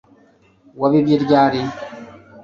Wabibye ryari